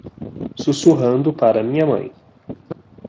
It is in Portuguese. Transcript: Sussurrando para minha mãe